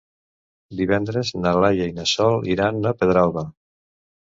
Divendres na Laia i na Sol iran a Pedralba.